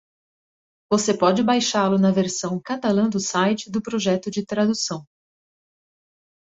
Você pode baixá-lo na versão catalã do site do projeto de tradução.